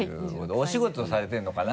お仕事されてるのかな？